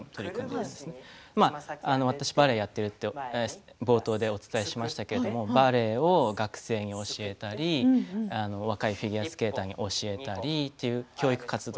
冒頭でバレエをやっているとお伝えしましたけれどもバレエを学生に教えたり若いフィギュアスケーターに教えたりという教育活動